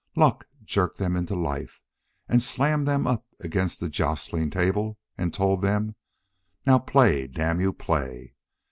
Luck jerked them into life, slammed them up against the jostling table, and told them: "Now play, damn you, play!"